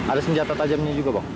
ada senjata tajamnya juga kok